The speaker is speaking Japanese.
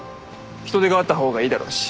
人手があった方がいいだろうし。